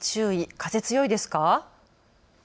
風、強いですか。